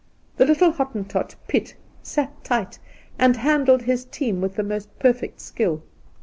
The little Hottentot Piet sat tight, and handled his team with the most perfect skill.